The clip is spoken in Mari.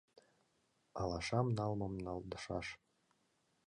Алашам налмым налдышаш